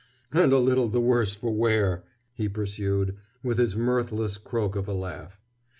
"And a little the worse for wear," he pursued, with his mirthless croak of a laugh.